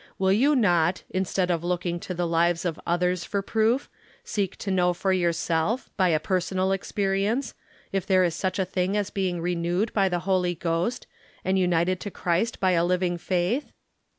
Will you not, instead of looldug to the hves of others for proof, seek to know for yourself — ^by a^ personal experience — if there is such a tiling as being renewed by the Holy Ghost, and united to Christ by a living faith